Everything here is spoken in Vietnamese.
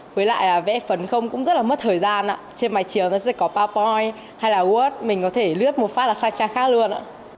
với lại là vẽ phấn không cũng rất là mất thời gian trên máy chiếu nó sẽ có powerpoint hay là word mình có thể lướt một phát là sai trang khác luôn